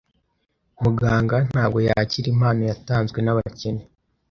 Muganga ntabwo yakira impano yatanzwe nabakene.